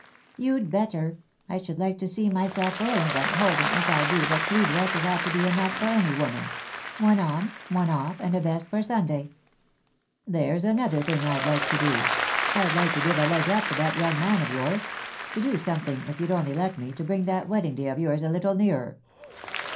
" You'd better 1 I should like to see myself wearing them, holding, as I do, that three dresses ought to be enough for any woman ; one on, one off, and a best for Sunday." "There's another thing I'd like to do — I'd like to give a leg up to that young man of yours ; to do some thing, if you'd only let me, to bring that wedding day of yours a little nearer."